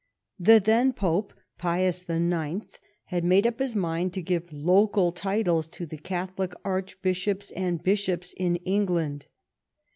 The then Pope, Pius IX., had made up his mind to give local titles to the Catholic Archbishops and Bishops in England.